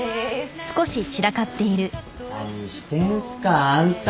何してんすかあんた。